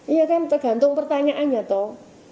iya kan tergantung pertanyaannya toh